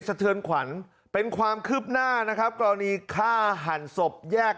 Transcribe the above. เหตุเทอร์ทคนเป็นความคึบหน้านะครับกรณีฆ่าหั่นศบแยก